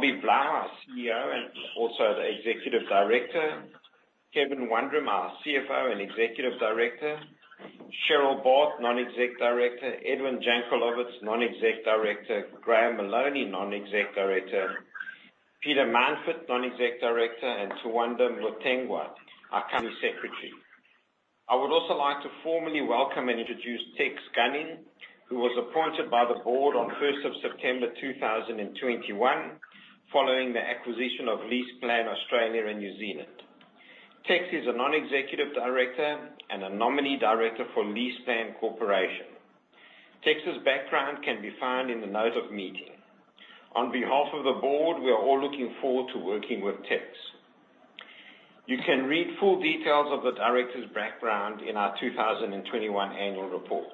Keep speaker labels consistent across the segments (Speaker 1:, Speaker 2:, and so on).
Speaker 1: Robbie Blau, our CEO, and also the Executive Director. Kevin Wundram, our CFO and Executive Director. Cheryl Bart, Non-Exec Director. Edwin Jankelowitz, Non-Exec Director. Graham Maloney, Non-Exec Director. Peter Mountford, Non-Exec Director. Tawanda Mutengwa, our Company Secretary. I would also like to formally welcome and introduce Tex Gunning, who was appointed by the board on 1 September 2021 following the acquisition of LeasePlan Australia and New Zealand. Tex is a Non-Executive Director and a nominee director for LeasePlan Corporation. Tex's background can be found in the notice of meeting. On behalf of the board, we are all looking forward to working with Tex. You can read full details of the directors' background in our 2021 annual report.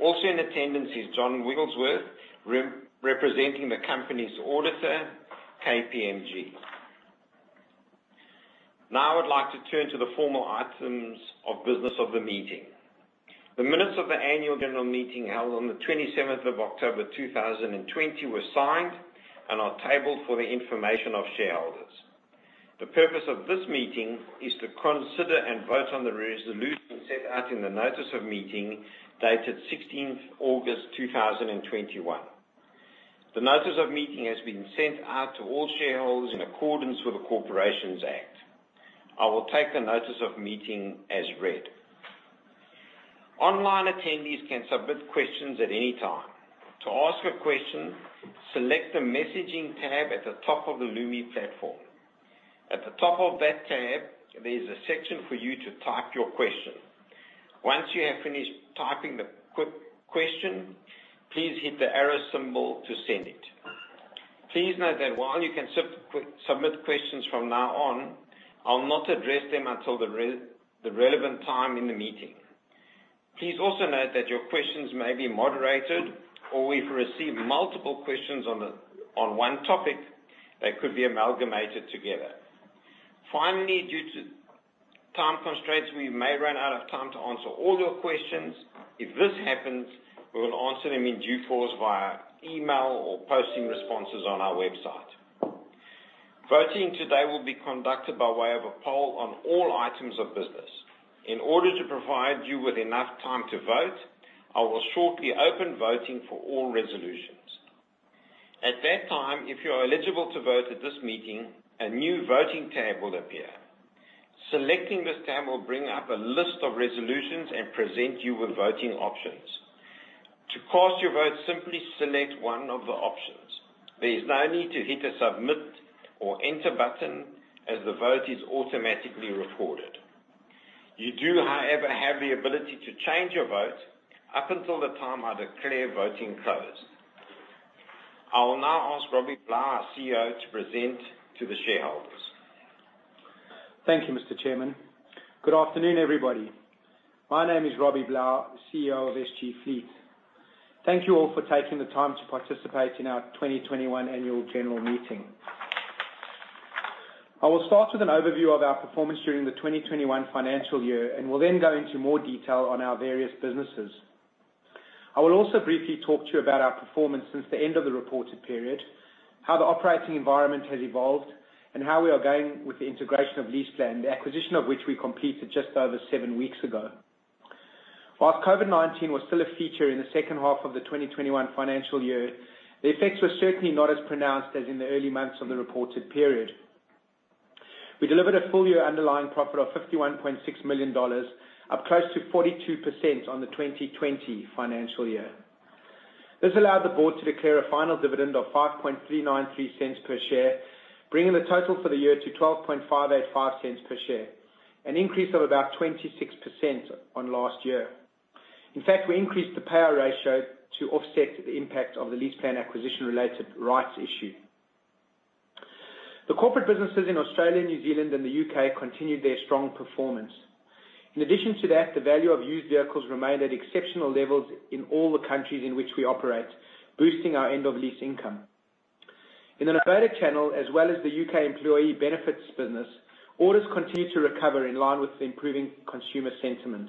Speaker 1: Also in attendance is John Wigglesworth, representing the company's auditor, KPMG. Now I would like to turn to the formal items of business of the meeting. The minutes of the annual general meeting held on the 27th of October 2020 were signed and are tabled for the information of shareholders. The purpose of this meeting is to consider and vote on the resolution set out in the notice of meeting dated 16th August 2021. The notice of meeting has been sent out to all shareholders in accordance with the Corporations Act. I will take the notice of meeting as read. Online attendees can submit questions at any time. To ask a question, select the messaging tab at the top of the Lumi platform. At the top of that tab, there is a section for you to type your question. Once you have finished typing the question, please hit the arrow symbol to send it. Please note that while you can submit questions from now on, I'll not address them until the relevant time in the meeting. Please also note that your questions may be moderated, or if we receive multiple questions on one topic, they could be amalgamated together. Finally, due to time constraints, we may run out of time to answer all your questions. If this happens, we will answer them in due course via email or posting responses on our website. Voting today will be conducted by way of a poll on all items of business. In order to provide you with enough time to vote, I will shortly open voting for all resolutions. At that time, if you are eligible to vote at this meeting, a new voting tab will appear. Selecting this tab will bring up a list of resolutions and present you with voting options. To cast your vote, simply select one of the options. There is no need to hit the Submit or Enter button as the vote is automatically recorded. You do, however, have the ability to change your vote up until the time I declare voting closed. I will now ask Robbie Blau, our CEO, to present to the shareholders.
Speaker 2: Thank you, Mr. Chairman. Good afternoon, everybody. My name is Robbie Blau, CEO of SG Fleet. Thank you all for taking the time to participate in our 2021 Annual General Meeting. I will start with an overview of our performance during the 2021 financial year, and will then go into more detail on our various businesses. I will also briefly talk to you about our performance since the end of the reported period, how the operating environment has evolved, and how we are going with the integration of LeasePlan, the acquisition of which we completed just over seven weeks ago. While COVID-19 was still a feature in the second half of the 2021 financial year, the effects were certainly not as pronounced as in the early months of the reported period. We delivered a full-year underlying profit of 51.6 million dollars, up close to 42% on the 2020 financial year. This allowed the board to declare a final dividend of 0.05393 per share, bringing the total for the year to 0.12585 per share, an increase of about 26% on last year. In fact, we increased the payout ratio to offset the impact of the LeasePlan acquisition-related rights issue. The corporate businesses in Australia, New Zealand and the U.K. continued their strong performance. In addition to that, the value of used vehicles remained at exceptional levels in all the countries in which we operate, boosting our end of lease income. In the novated channel as well as the U.K. employee benefits business, orders continued to recover in line with the improving consumer sentiment.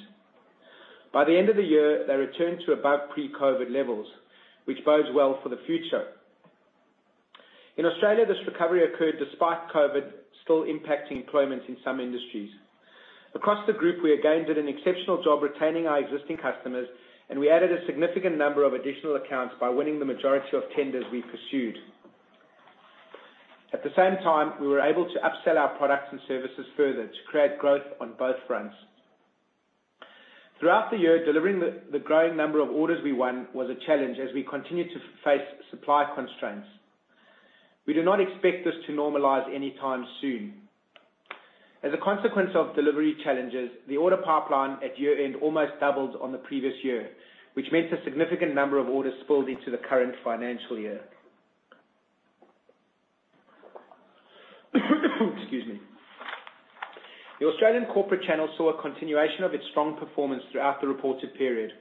Speaker 2: By the end of the year, they returned to above pre-COVID levels, which bodes well for the future. In Australia, this recovery occurred despite COVID still impacting employment in some industries. Across the group, we again did an exceptional job retaining our existing customers, and we added a significant number of additional accounts by winning the majority of tenders we pursued. At the same time, we were able to upsell our products and services further to create growth on both fronts. Throughout the year, delivering the growing number of orders we won was a challenge as we continued to face supply constraints. We do not expect this to normalize anytime soon. As a consequence of delivery challenges, the order pipeline at year-end almost doubled on the previous year, which meant a significant number of orders spilled into the current financial year. Excuse me. The Australian corporate channel saw a continuation of its strong performance throughout the reported period.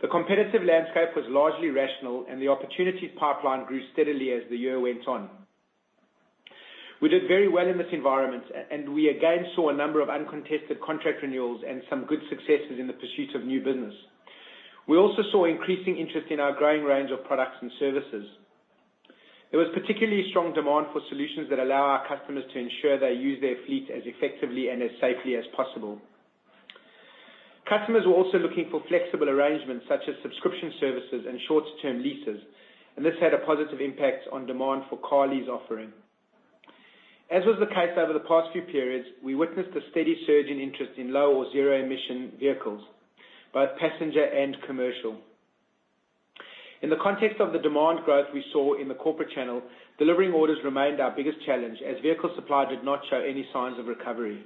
Speaker 2: The competitive landscape was largely rational, and the opportunities pipeline grew steadily as the year went on. We did very well in this environment and we again saw a number of uncontested contract renewals and some good successes in the pursuit of new business. We also saw increasing interest in our growing range of products and services. There was particularly strong demand for solutions that allow our customers to ensure they use their fleet as effectively and as safely as possible. Customers were also looking for flexible arrangements such as subscription services and short-term leases, and this had a positive impact on demand for Carly offering. As was the case over the past few periods, we witnessed a steady surge in interest in low- or zero-emission vehicles, both passenger and commercial. In the context of the demand growth we saw in the corporate channel, delivering orders remained our biggest challenge, as vehicle supply did not show any signs of recovery.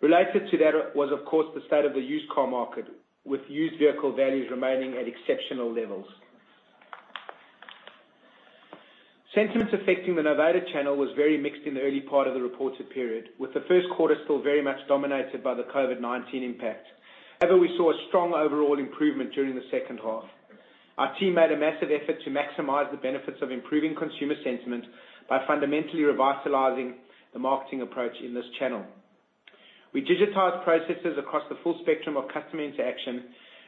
Speaker 2: Related to that was, of course, the state of the used car market, with used vehicle values remaining at exceptional levels. Sentiments affecting the novated channel was very mixed in the early part of the reported period, with the first quarter still very much dominated by the COVID-19 impact. However, we saw a strong overall improvement during the second half. Our team made a massive effort to maximize the benefits of improving consumer sentiment by fundamentally revitalizing the marketing approach in this channel. We digitized processes across the full spectrum of customer interaction,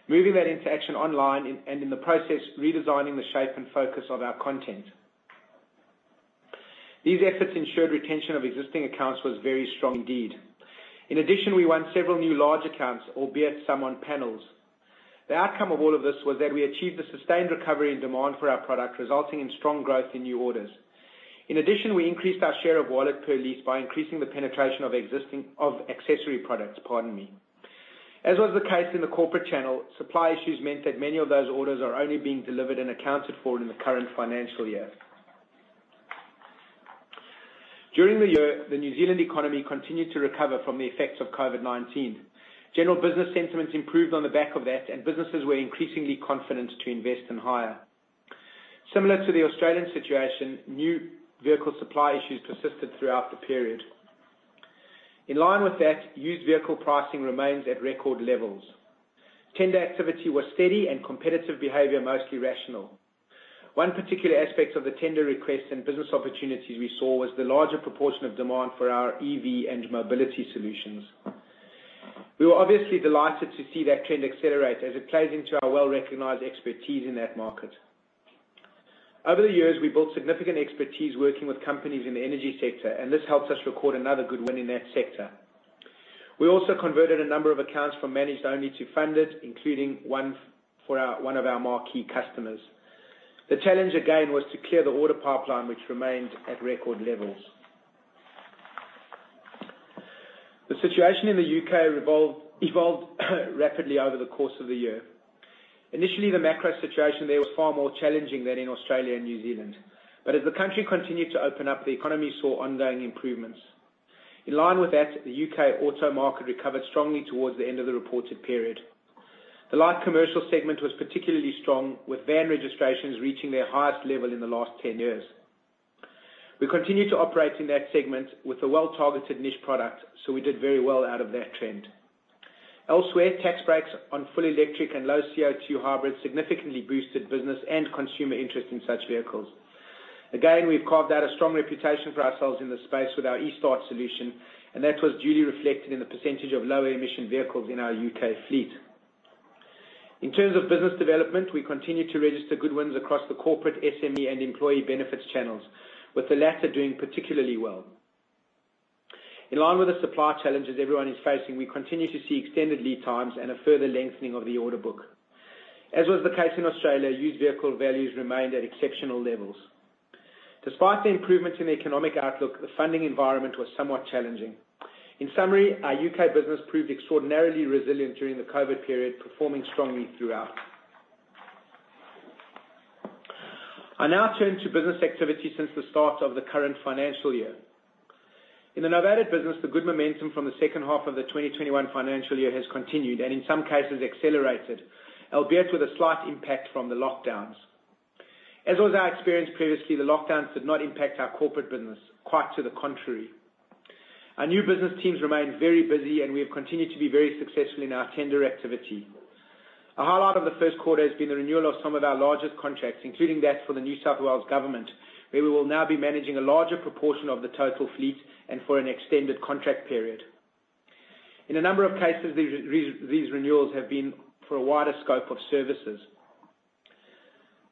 Speaker 2: moving that interaction online and in the process, redesigning the shape and focus of our content. These efforts ensured retention of existing accounts was very strong indeed. In addition, we won several new large accounts, albeit some on panels. The outcome of all of this was that we achieved a sustained recovery and demand for our product, resulting in strong growth in new orders. In addition, we increased our share of wallet per lease by increasing the penetration of accessory products. Pardon me. As was the case in the corporate channel, supply issues meant that many of those orders are only being delivered and accounted for in the current financial year. During the year, the New Zealand economy continued to recover from the effects of COVID-19. General business sentiment improved on the back of that, and businesses were increasingly confident to invest and hire. Similar to the Australian situation, new vehicle supply issues persisted throughout the period. In line with that, used vehicle pricing remains at record levels. Tender activity was steady and competitive behavior mostly rational. One particular aspect of the tender request and business opportunities we saw was the larger proportion of demand for our EV and mobility solutions. We were obviously delighted to see that trend accelerate as it plays into our well-recognized expertise in that market. Over the years, we built significant expertise working with companies in the energy sector, and this helped us record another good win in that sector. We also converted a number of accounts from managed only to funded, including one of our marquee customers. The challenge again was to clear the order pipeline, which remained at record levels. The situation in the U.K. evolved rapidly over the course of the year. Initially, the macro situation there was far more challenging than in Australia and New Zealand. As the country continued to open up, the economy saw ongoing improvements. In line with that, the U.K. auto market recovered strongly toward the end of the reported period. The light commercial segment was particularly strong, with van registrations reaching their highest level in the last 10 years. We continued to operate in that segment with a well-targeted niche product, so we did very well out of that trend. Elsewhere, tax breaks on full electric and low CO2 hybrids significantly boosted business and consumer interest in such vehicles. Again, we've carved out a strong reputation for ourselves in this space with our eStart solution, and that was duly reflected in the percentage of low-emission vehicles in our U.K. fleet. In terms of business development, we continued to register good wins across the corporate SME and employee benefits channels, with the latter doing particularly well. In line with the supply challenges everyone is facing, we continue to see extended lead times and a further lengthening of the order book. As was the case in Australia, used vehicle values remained at exceptional levels. Despite the improvements in the economic outlook, the funding environment was somewhat challenging. In summary, our U.K. business proved extraordinarily resilient during the COVID period, performing strongly throughout. I now turn to business activity since the start of the current financial year. In the Novated business, the good momentum from the second half of the 2021 financial year has continued, and in some cases accelerated, albeit with a slight impact from the lockdowns. As was our experience previously, the lockdowns did not impact our corporate business. Quite to the contrary. Our new business teams remained very busy, and we have continued to be very successful in our tender activity. A highlight of the first quarter has been the renewal of some of our largest contracts, including that for the New South Wales Government, where we will now be managing a larger proportion of the total fleet and for an extended contract period. In a number of cases, these renewals have been for a wider scope of services.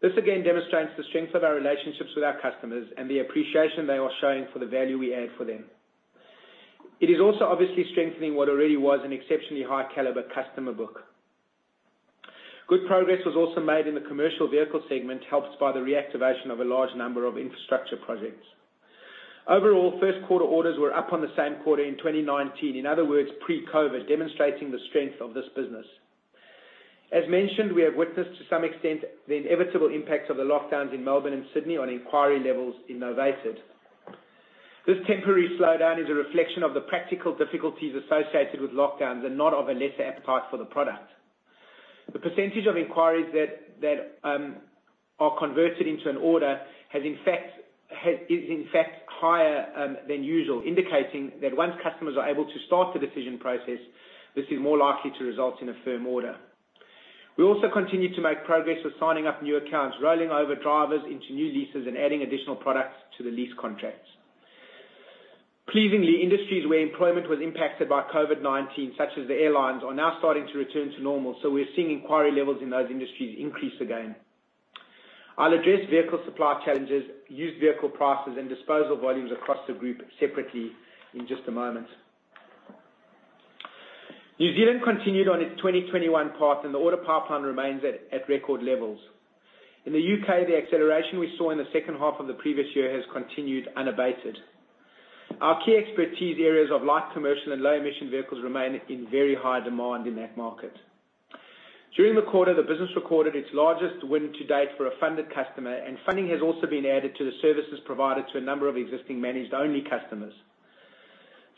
Speaker 2: This again demonstrates the strength of our relationships with our customers and the appreciation they are showing for the value we add for them. It is also obviously strengthening what already was an exceptionally high caliber customer book. Good progress was also made in the commercial vehicle segment, helped by the reactivation of a large number of infrastructure projects. Overall, first quarter orders were up on the same quarter in 2019, in other words, pre-COVID, demonstrating the strength of this business. As mentioned, we have witnessed to some extent the inevitable impacts of the lockdowns in Melbourne and Sydney on inquiry levels in novated. This temporary slowdown is a reflection of the practical difficulties associated with lockdowns and not of a lesser appetite for the product. The percentage of inquiries that are converted into an order is in fact higher than usual, indicating that once customers are able to start the decision process, this is more likely to result in a firm order. We also continue to make progress with signing up new accounts, rolling over drivers into new leases, and adding additional products to the lease contracts. Pleasingly, industries where employment was impacted by COVID-19, such as the airlines, are now starting to return to normal, so we're seeing inquiry levels in those industries increase again. I'll address vehicle supply challenges, used vehicle prices, and disposal volumes across the group separately in just a moment. New Zealand continued on its 2021 path, and the order pipeline remains at record levels. In the U.K., the acceleration we saw in the second half of the previous year has continued unabated. Our key expertise areas of light commercial and low-emission vehicles remain in very high demand in that market. During the quarter, the business recorded its largest win to date for a funded customer, and funding has also been added to the services provided to a number of existing managed only customers.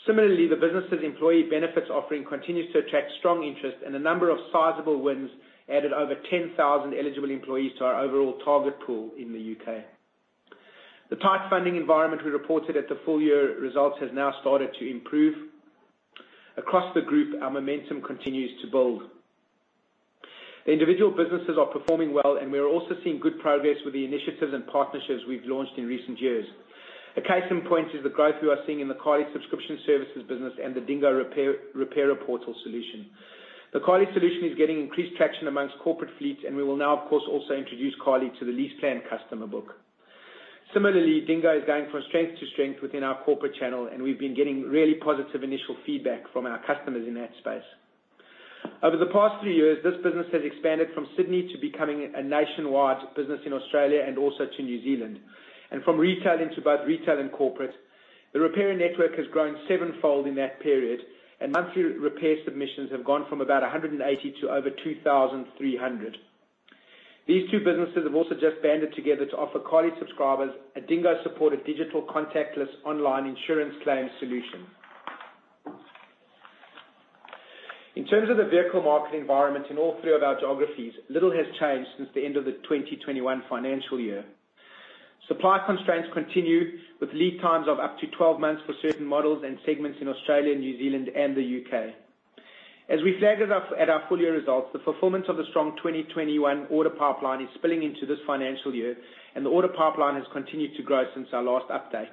Speaker 2: Similarly, the business' employee benefits offering continues to attract strong interest and a number of sizable wins added over 10,000 eligible employees to our overall target pool in the U.K. The tight funding environment we reported at the full year results has now started to improve. Across the group, our momentum continues to build. Individual businesses are performing well, and we are also seeing good progress with the initiatives and partnerships we've launched in recent years. A case in point is the growth we are seeing in the Carly subscription services business and the DingGo Repairer Portal solution. The Carly solution is getting increased traction among corporate fleets, and we will now, of course, also introduce Carly to the LeasePlan customer book. Similarly, DingGo is going from strength to strength within our corporate channel, and we've been getting really positive initial feedback from our customers in that space. Over the past three years, this business has expanded from Sydney to becoming a nationwide business in Australia and also to New Zealand, from retailing to both retail and corporate. The repair network has grown sevenfold in that period, and monthly repair submissions have gone from about 180 to over 2,300. These two businesses have also just banded together to offer Carly subscribers a DingGo-supported digital contactless online insurance claim solution. In terms of the vehicle market environment in all three of our geographies, little has changed since the end of the 2021 financial year. Supply constraints continue with lead times of up to 12 months for certain models and segments in Australia, New Zealand, and the U.K. As we flagged it up at our full year results, the fulfillment of the strong 2021 order pipeline is spilling into this financial year, and the order pipeline has continued to grow since our last update.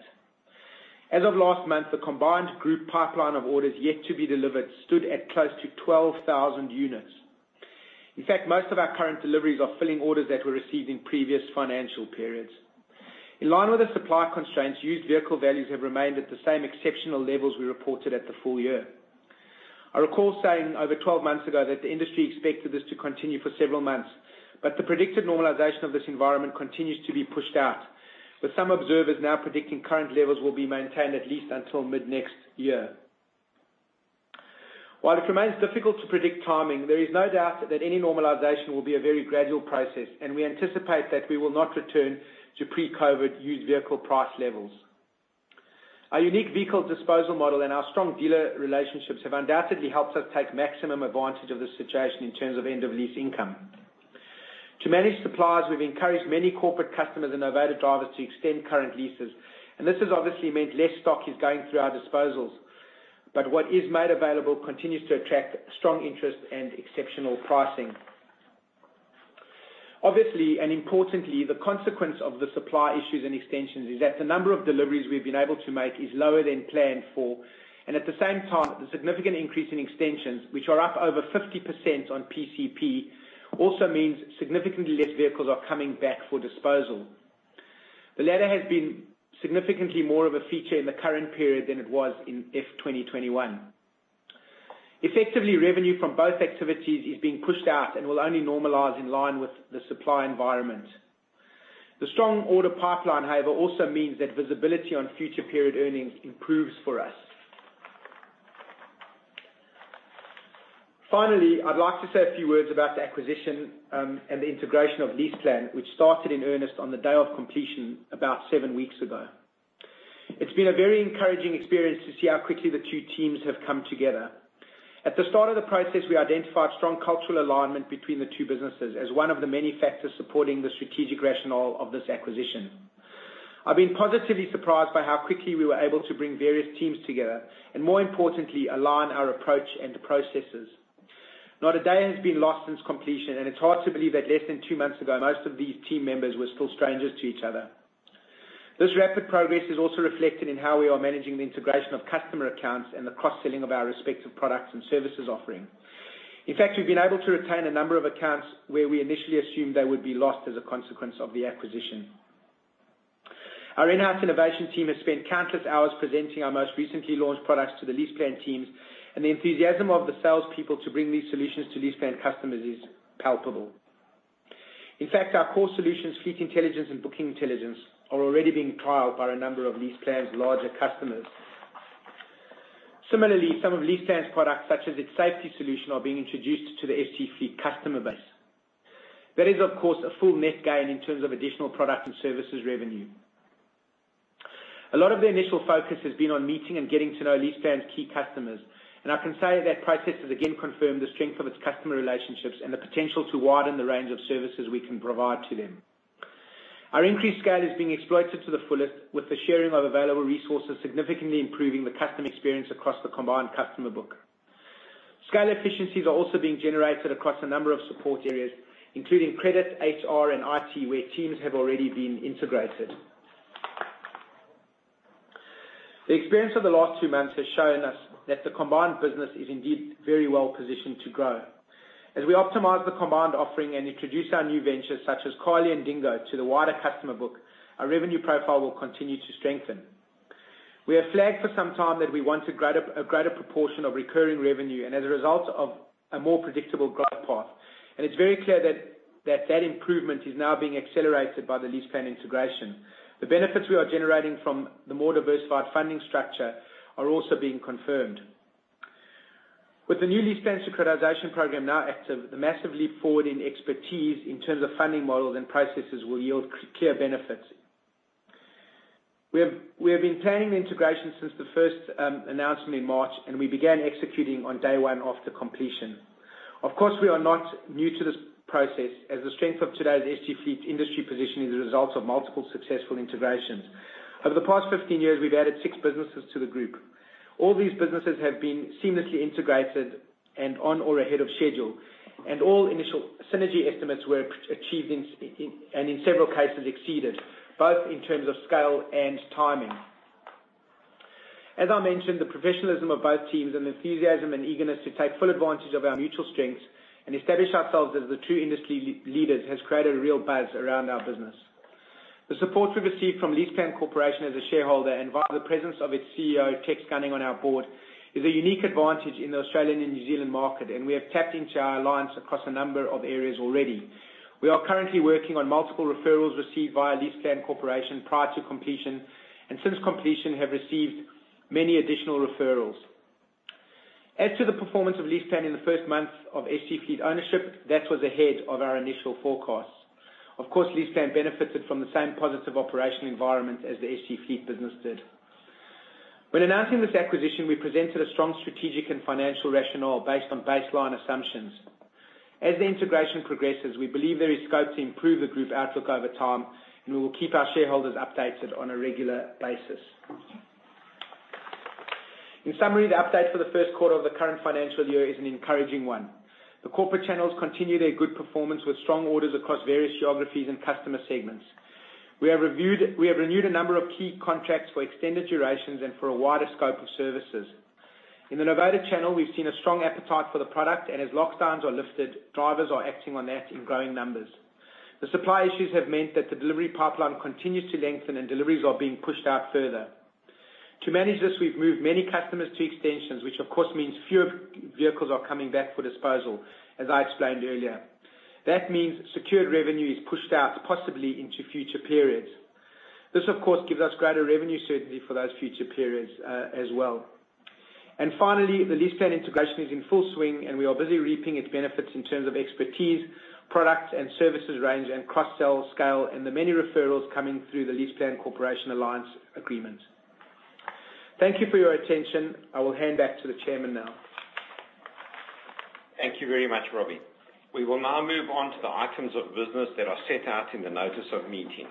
Speaker 2: As of last month, the combined group pipeline of orders yet to be delivered stood at close to 12,000 units. In fact, most of our current deliveries are filling orders that were received in previous financial periods. In line with the supply constraints, used vehicle values have remained at the same exceptional levels we reported at the full year. I recall saying over 12 months ago that the industry expected this to continue for several months, but the predicted normalization of this environment continues to be pushed out, with some observers now predicting current levels will be maintained at least until mid-next year. While it remains difficult to predict timing, there is no doubt that any normalization will be a very gradual process, and we anticipate that we will not return to pre-COVID used vehicle price levels. Our unique vehicle disposal model and our strong dealer relationships have undoubtedly helped us take maximum advantage of this situation in terms of end-of-lease income. To manage suppliers, we've encouraged many corporate customers and novated drivers to extend current leases, and this has obviously meant less stock is going through our disposals. What is made available continues to attract strong interest and exceptional pricing. Obviously, and importantly, the consequence of the supply issues and extensions is that the number of deliveries we've been able to make is lower than planned for. At the same time, the significant increase in extensions, which are up over 50% on PCP, also means significantly less vehicles are coming back for disposal. The latter has been significantly more of a feature in the current period than it was in FY 2021. Effectively, revenue from both activities is being pushed out and will only normalize in line with the supply environment. The strong order pipeline, however, also means that visibility on future period earnings improves for us. Finally, I'd like to say a few words about the acquisition, and the integration of LeasePlan, which started in earnest on the day of completion about seven weeks ago. It's been a very encouraging experience to see how quickly the two teams have come together. At the start of the process, we identified strong cultural alignment between the two businesses as one of the many factors supporting the strategic rationale of this acquisition. I've been positively surprised by how quickly we were able to bring various teams together and, more importantly, align our approach and processes. Not a day has been lost since completion, and it's hard to believe that less than two months ago, most of these team members were still strangers to each other. This rapid progress is also reflected in how we are managing the integration of customer accounts and the cross-selling of our respective products and services offering. In fact, we've been able to retain a number of accounts where we initially assumed they would be lost as a consequence of the acquisition. Our in-house innovation team has spent countless hours presenting our most recently launched products to the LeasePlan teams, and the enthusiasm of the salespeople to bring these solutions to LeasePlan customers is palpable. In fact, our core solutions, Fleetintelligence and Bookingintelligence, are already being trialed by a number of LeasePlan's larger customers. Similarly, some of LeasePlan's products, such as its safety solution, are being introduced to the SG Fleet customer base. That is, of course, a full net gain in terms of additional product and services revenue. A lot of the initial focus has been on meeting and getting to know LeasePlan's key customers, and I can say that process has again confirmed the strength of its customer relationships and the potential to widen the range of services we can provide to them. Our increased scale is being exploited to the fullest, with the sharing of available resources significantly improving the customer experience across the combined customer book. Scale efficiencies are also being generated across a number of support areas, including credit, HR, and IT, where teams have already been integrated. The experience of the last two months has shown us that the combined business is indeed very well positioned to grow. As we optimize the combined offering and introduce our new ventures such as Carly and DingGo to the wider customer book, our revenue profile will continue to strengthen. We have flagged for some time that we want to grow up a greater proportion of recurring revenue, and as a result of a more predictable growth path. It's very clear that that improvement is now being accelerated by the LeasePlan integration. The benefits we are generating from the more diversified funding structure are also being confirmed. With the new LeasePlan securitization program now active, the massive leap forward in expertise in terms of funding models and processes will yield clear benefits. We have been planning the integration since the first announcement in March, and we began executing on day one after completion. Of course, we are not new to this process, as the strength of today's SG Fleet industry position is a result of multiple successful integrations. Over the past 15 years, we've added six businesses to the group. All these businesses have been seamlessly integrated and on or ahead of schedule, and all initial synergy estimates were achieved, and in several cases, exceeded, both in terms of scale and timing. As I mentioned, the professionalism of both teams and enthusiasm and eagerness to take full advantage of our mutual strengths and establish ourselves as the two industry leaders has created a real buzz around our business. The support we've received from LeasePlan Corporation as a shareholder and via the presence of its CEO, Tex Gunning, on our board, is a unique advantage in the Australian and New Zealand market, and we have tapped into our alliance across a number of areas already. We are currently working on multiple referrals received via LeasePlan Corporation prior to completion, and since completion, have received many additional referrals. As to the performance of LeasePlan in the first month of SG Fleet ownership, that was ahead of our initial forecasts. Of course, LeasePlan benefited from the same positive operational environment as the SG Fleet business did. When announcing this acquisition, we presented a strong strategic and financial rationale based on baseline assumptions. As the integration progresses, we believe there is scope to improve the group outlook over time, and we will keep our shareholders updated on a regular basis. In summary, the update for the first quarter of the current financial year is an encouraging one. The corporate channels continued a good performance with strong orders across various geographies and customer segments. We have renewed a number of key contracts for extended durations and for a wider scope of services. In the novated channel, we've seen a strong appetite for the product. As lockdowns are lifted, drivers are acting on that in growing numbers. The supply issues have meant that the delivery pipeline continues to lengthen and deliveries are being pushed out further. To manage this, we've moved many customers to extensions, which of course means fewer vehicles are coming back for disposal, as I explained earlier. That means secured revenue is pushed out, possibly into future periods. This, of course, gives us greater revenue certainty for those future periods, as well. Finally, the LeasePlan integration is in full swing, and we are busy reaping its benefits in terms of expertise, products and services range, and cross-sell scale, and the many referrals coming through the LeasePlan Corporation alliance agreement. Thank you for your attention. I will hand back to the chairman now.
Speaker 1: Thank you very much, Robbie. We will now move on to the items of business that are set out in the Notice of Meeting.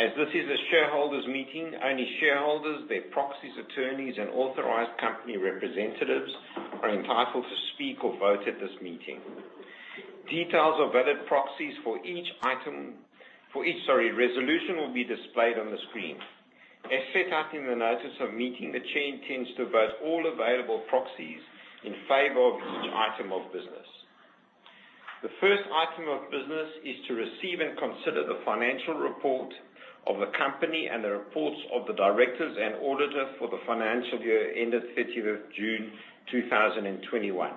Speaker 1: As this is a shareholders meeting, only shareholders, their proxies, attorneys, and authorized company representatives are entitled to speak or vote at this meeting. Details of valid proxies for each resolution will be displayed on the screen. As set out in the notice of meeting, the chair intends to vote all available proxies in favor of each item of business. The first item of business is to receive and consider the financial report of the company and the reports of the directors and auditors for the financial year ended 30th of June 2021.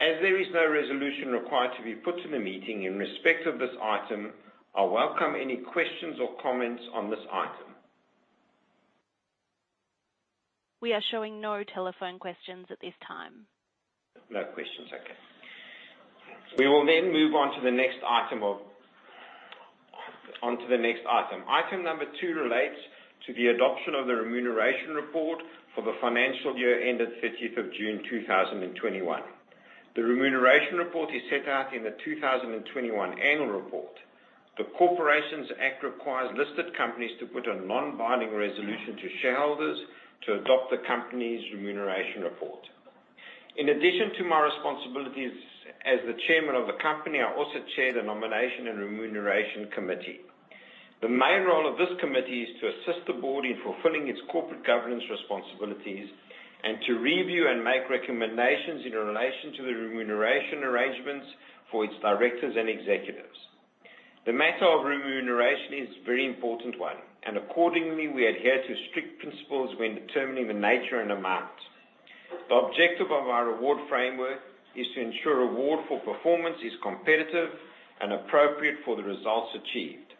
Speaker 1: As there is no resolution required to be put to the meeting in respect of this item, I'll welcome any questions or comments on this item.
Speaker 3: We are showing no telephone questions at this time.
Speaker 1: No questions. Okay. We will move on to the next item. Item number two relates to the adoption of the remuneration report for the financial year ended 30th of June, 2021. The remuneration report is set out in the 2021 Annual Report. The Corporations Act requires listed companies to put a non-binding resolution to shareholders to adopt the company's remuneration report. In addition to my responsibilities as the Chairman of the company, I also chair the Nomination and Remuneration Committee. The main role of this committee is to assist the board in fulfilling its corporate governance responsibilities and to review and make recommendations in relation to the remuneration arrangements for its Directors and Executives. The matter of remuneration is a very important one, and accordingly, we adhere to strict principles when determining the nature and amount. The objective of our reward framework is to ensure reward for performance is competitive and appropriate for the results achieved.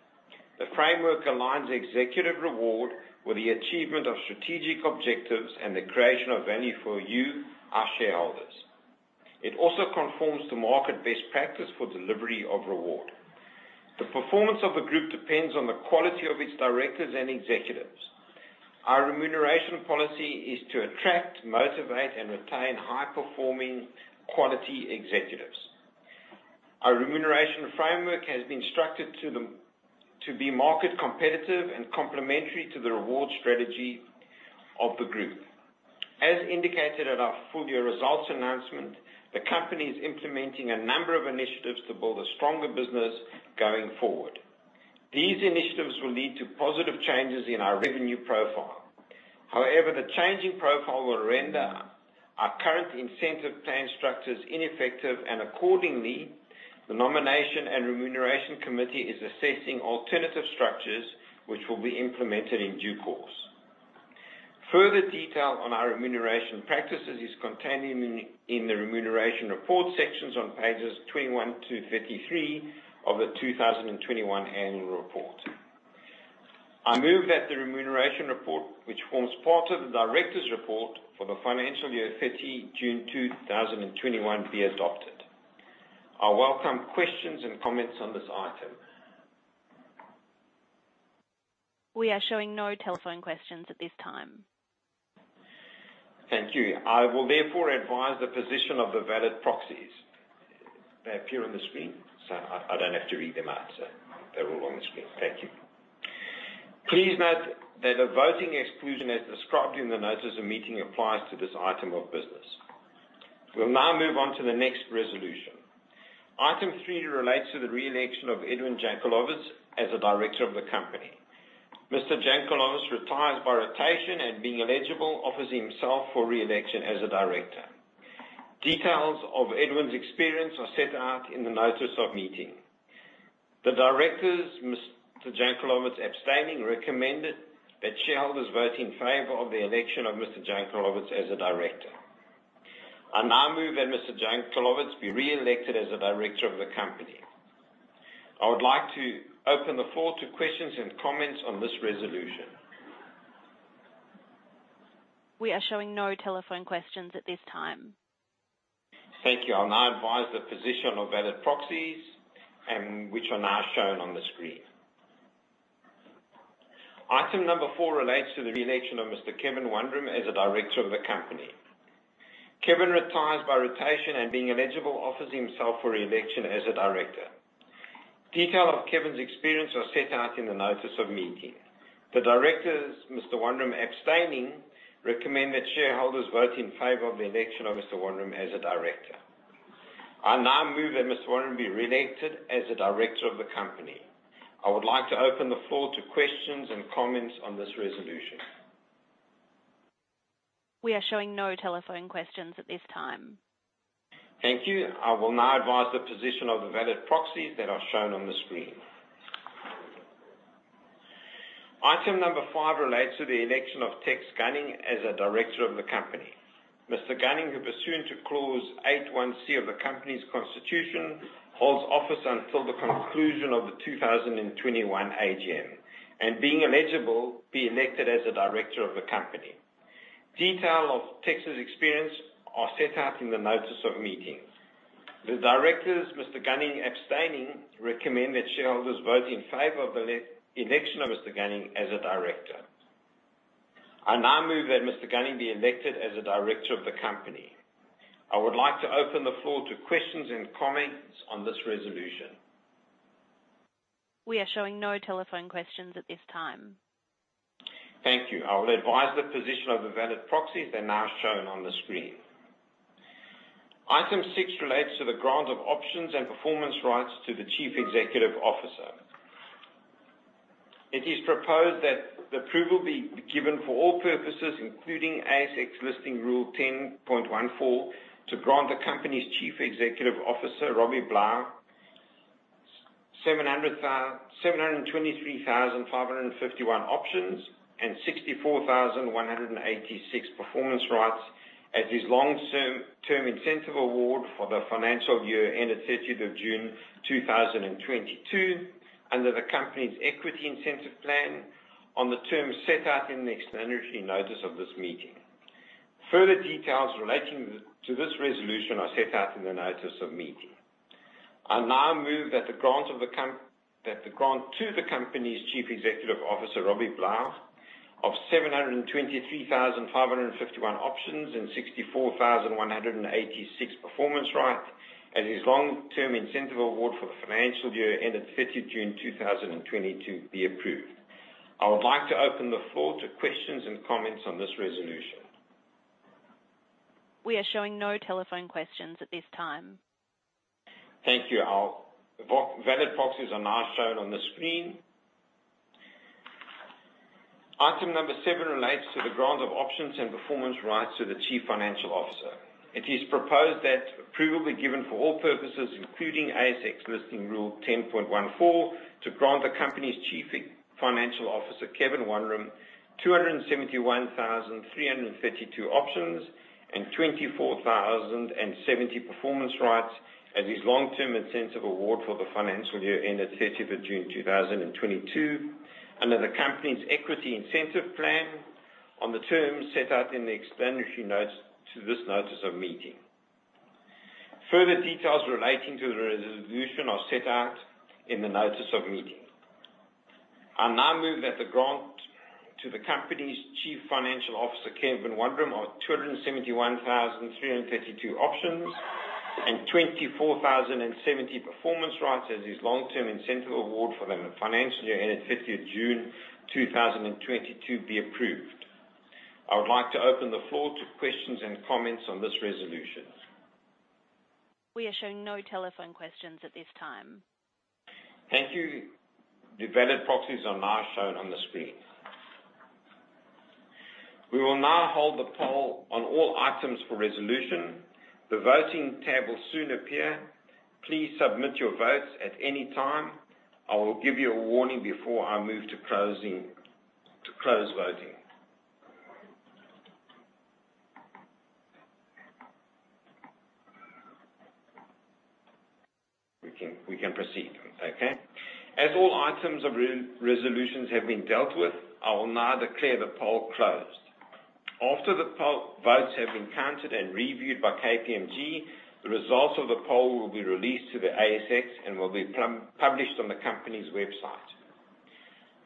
Speaker 1: The framework aligns executive reward with the achievement of strategic objectives and the creation of value for you, our shareholders. It also conforms to market best practice for delivery of reward. The performance of the group depends on the quality of its Directors and Executives. Our remuneration policy is to attract, motivate, and retain high-performing quality executives. Our remuneration framework has been structured to be market competitive and complementary to the reward strategy of the group. As indicated at our full year results announcement, the company is implementing a number of initiatives to build a stronger business going forward. These initiatives will lead to positive changes in our revenue profile. However, the changing profile will render our current incentive plan structures ineffective. Accordingly, the Nomination and Remuneration Committee is assessing alternative structures, which will be implemented in due course. Further detail on our remuneration practices is contained in the Remuneration Report Sections on pages 21-33 of the 2021 Annual Report. I move that the Remuneration Report, which forms part of the Directors' Report for the financial year 30 June 2021, be adopted. I welcome questions and comments on this item.
Speaker 3: We are showing no telephone questions at this time.
Speaker 1: Thank you. I will therefore advise the position of the valid proxies. They appear on the screen, so I don't have to read them out, so they're all on the screen. Thank you. Please note that a voting exclusion, as described in the notices of meeting, applies to this item of business. We'll now move on to the next resolution. Item three relates to the re-election of Edwin Jankelowitz as a Director of the company. Mr. Jankelowitz retires by rotation and being eligible, offers himself for re-election as a Director. Details of Edwin's experience are set out in the notice of meeting. The Directors, Mr. Jankelowitz abstaining, recommended that shareholders vote in favor of the election of Mr. Jankelowitz as a Director. I now move that Mr. Jankelowitz be re-elected as a Director of the Company. I would like to open the floor to questions and comments on this resolution.
Speaker 3: We are showing no telephone questions at this time.
Speaker 1: Thank you. I'll now advise the position of valid proxies and which are now shown on the screen. Item number four relates to the re-election of Mr. Kevin Wundram as a Director of the Company. Kevin retires by rotation and being eligible, offers himself for re-election as a Director. Detail of Kevin's experience are set out in the Notice of Meeting. The Directors, Mr. Wundram abstaining, recommend that shareholders vote in favor of the election of Mr. Wundram as a Director. I now move that Mr. Wundram be re-elected as a Director of the Company. I would like to open the floor to questions and comments on this resolution.
Speaker 3: We are showing no telephone questions at this time.
Speaker 1: Thank you. I will now advise the position of the valid proxies that are shown on the screen. Item number 5 relates to the election of Tex Gunning as a Director of the Company. Mr. Gunning, who pursuant to Clause 8.1(c) of the company's constitution, holds office until the conclusion of the 2021 AGM, and being eligible, be elected as a Director of the Company. Detail of Tex's experience are set out in the notice of meetings. The Directors, Mr. Gunning abstaining, recommend that shareholders vote in favor of the election of Mr. Gunning as a Director. I now move that Mr. Gunning be elected as a Director of the Company. I would like to open the floor to questions and comments on this resolution.
Speaker 3: We are showing no telephone questions at this time.
Speaker 1: Thank you. I will advise the position of the valid proxies. They're now shown on the screen. Item six relates to the grant of options and performance rights to the Chief Executive Officer. It is proposed that the approval be given for all purposes, including ASX Listing Rule 10.14, to grant the company's Chief Executive Officer, Robbie Blau, 723,551 options and 64,186 performance rights as his long-term incentive award for the financial year ended 30th of June 2022 under the company's equity incentive plan on the terms set out in the explanatory notice of this meeting. Further details relating to this resolution are set out in the notice of meeting. I now move that the grant to the company's Chief Executive Officer, Robbie Blau, of 723,551 options and 64,186 performance rights as his long-term incentive award for the financial year ended 30th June 2022 be approved. I would like to open the floor to questions and comments on this resolution.
Speaker 3: We are showing no telephone questions at this time.
Speaker 1: Thank you. Our valid proxies are now shown on the screen. Item number seven relates to the grant of options and performance rights to the Chief Financial Officer. It is proposed that approval be given for all purposes, including ASX Listing Rule 10.14, to grant the company's Chief Financial Officer, Kevin Wundram, 271,332 options and 24,070 performance rights as his long-term incentive award for the financial year ended 30th of June 2022 under the company's equity incentive plan on the terms set out in the explanatory notes to this notice of meeting. Further details relating to the resolution are set out in the notice of meeting. I now move that the grant to the company's Chief Financial Officer, Kevin Wundram, of 271,332 options and 24,070 performance rights as his long-term incentive award for the financial year ended 15th June 2022 be approved. I would like to open the floor to questions and comments on this resolution.
Speaker 3: We are showing no telephone questions at this time.
Speaker 1: Thank you. The valid proxies are now shown on the screen. We will now hold the poll on all items for resolution. The voting tab will soon appear. Please submit your votes at any time. I will give you a warning before I move to closing, to close voting. We can proceed. Okay. As all items of re-resolutions have been dealt with, I will now declare the poll closed. After the poll votes have been counted and reviewed by KPMG, the results of the poll will be released to the ASX and will be published on the company's website.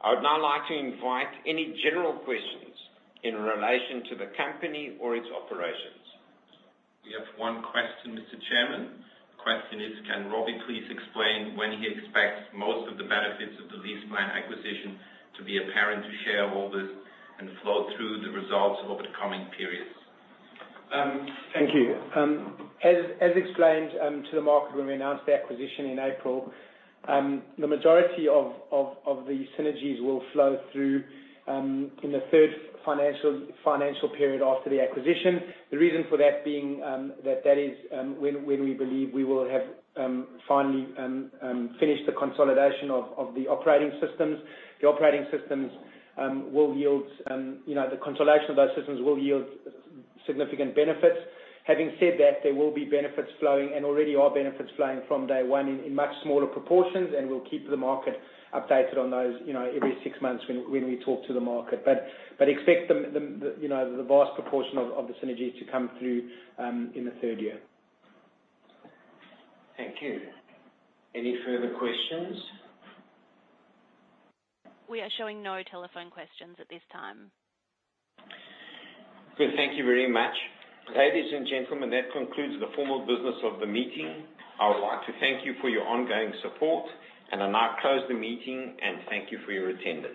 Speaker 1: I would now like to invite any general questions in relation to the company or its operations. We have one question, Mr. Chairman. The question is, can Robbie please explain when he expects most of the benefits of the LeasePlan acquisition to be apparent to shareholders and flow through the results over the coming periods?
Speaker 2: Thank you. As explained to the market when we announced the acquisition in April, the majority of the synergies will flow through in the third financial period after the acquisition. The reason for that being that is when we believe we will have finally finished the consolidation of the operating systems. The operating systems will yield, you know, the consolidation of those systems will yield significant benefits. Having said that, there will be benefits flowing and already are benefits flowing from day one in much smaller proportions, and we'll keep the market updated on those, you know, every six months when we talk to the market. Expect the, you know, the vast proportion of the synergy to come through in the third year.
Speaker 1: Thank you. Any further questions?
Speaker 3: We are showing no telephone questions at this time.
Speaker 1: Good. Thank you very much. Ladies and gentlemen, that concludes the formal business of the meeting. I would like to thank you for your ongoing support, and I now close the meeting, and thank you for your attendance.